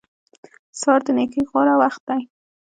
سهار د نېکۍ غوره وخت دی.